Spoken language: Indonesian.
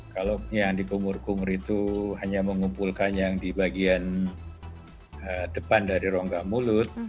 kalau yang dikumur kumur itu hanya mengumpulkan yang di bagian depan dari rongga mulut